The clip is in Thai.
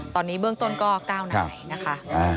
ตอนนี้เบื้องต้นก็๙นายนะคะ